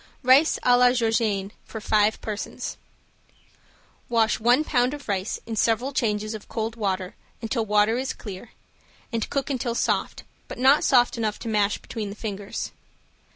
~RICE A LA GEORGIENNE FOR FIVE PERSONS~ Wash one pound of rice in several changes of cold water until water is clear, and cook until soft, but not soft enough to mash between the fingers.